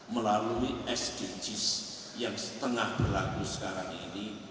melalui sdgs yang tengah berlaku sekarang ini